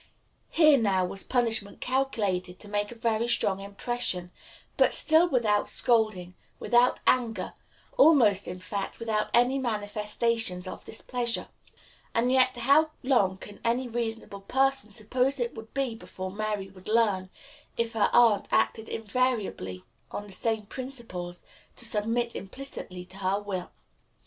Here now was punishment calculated to make a very strong impression but still without scolding, without anger, almost, in fact, without even any manifestations of displeasure. And yet how long can any reasonable person suppose it would be before Mary would learn, if her aunt acted invariably on the same principles, to submit implicitly to her will?